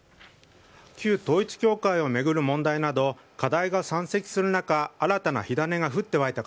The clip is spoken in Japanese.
旧統一教会を巡る問題など課題が山積する中新たな火種が降ってわいた